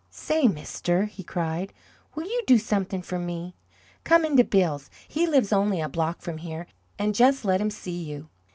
"Say, mister," he cried, "will you do something for me? Come in to Bill's he lives only a block from here and just let him see you.